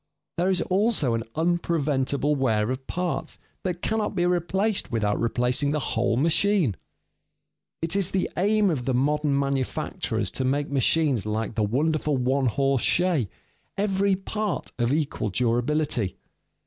There is also an unpreventable wear of parts that cannot be replaced without replacing the whole machine. It is the aim of the modern manufacturers to make machines like the wonderful one horse shay, every part of equal durability.